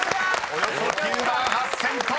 ［およそ９万８，０００ｔ］